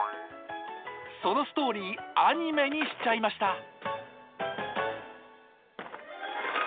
そのストーリーアニメにしちゃいました。